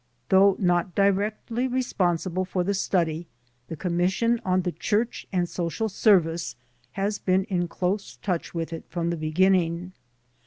Though not directly responsible for the study, the Commission on the Church and Social Service has been in close touch with it from the beginning.